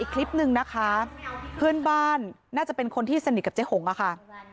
คลิปหนึ่งนะคะเพื่อนบ้านน่าจะเป็นคนที่สนิทกับเจ๊หงอะค่ะ